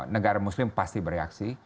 negara muslim pasti bereaksi